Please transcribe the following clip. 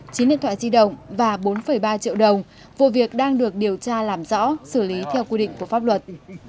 chín điện thoại di động và bốn ba triệu đồng vụ việc đang được điều tra làm rõ xử lý theo quy định của pháp luật